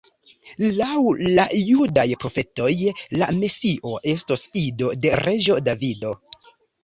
Laŭ la judaj profetoj, la Mesio estos ido de reĝo Davido.